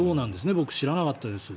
僕、知らなかったです。